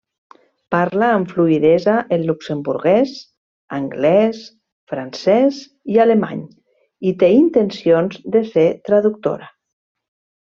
Parla amb fluïdesa el luxemburguès, anglès, francès i alemany, i té intencions de ser traductora.